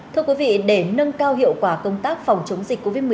thưa quý vị để nâng cao hiệu quả công tác phòng chống dịch covid một mươi chín